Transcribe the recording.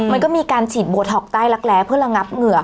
มันก็มีการฉีดโบท็อกใต้รักแร้เพื่อระงับเหงื่อ